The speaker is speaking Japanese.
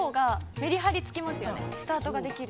スタートができる。